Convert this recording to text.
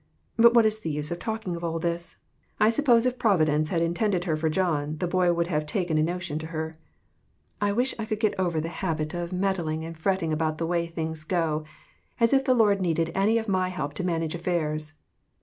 But what is the use of talking all this? I sup pose if Providence had intended her for John, the boy would have taken a notion to her. I wish I could get over the habit of meddling io AUNT HANNAH'S LETTER TO HER SISTER. and fretting about the way things go. As if the Lord needed any of my help to manage affairs